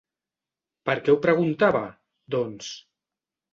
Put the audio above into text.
Per què ho preguntava, doncs?